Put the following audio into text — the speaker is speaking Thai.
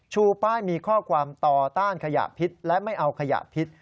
ชูป้ายมีข้อความต่อต้านขยะพิษและไม่เอาขยะพิษ